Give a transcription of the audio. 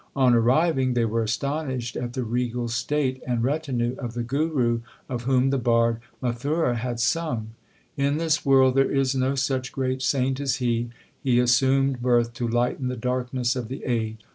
On arriving they were astonished at the regal state and retinue of the Guru of whom the bard Mathura had sung : In this world there is no such great saint as he ; he assumed birth to lighten the darkness of the age.